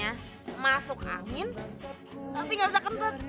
aku mau ngomong sama kamu untuk minta putus tapi kita ga pernah ketemu